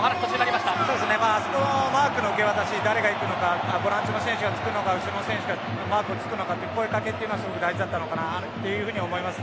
あそこのマークの受け渡しで誰が行くのかボランチの選手がつくのか後ろの選手がマークにつくのかという声かけというのはすごく大事だったのかなと思います。